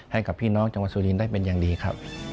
ให้กับพี่น้องจังหวัดสุรินทร์ได้เป็นอย่างดีครับ